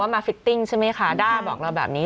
ฟิตติ้งใช่ไหมคะด้าบอกเราแบบนี้